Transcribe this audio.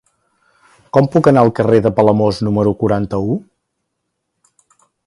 Com puc anar al carrer de Palamós número quaranta-u?